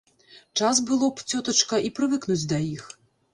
Час было б, цётачка, і прывыкнуць да іх.